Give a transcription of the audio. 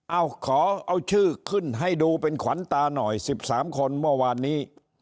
เอาขอเอาชื่อขึ้นให้ดูเป็นขวัญตาหน่อย๑๓คนเมื่อวานนี้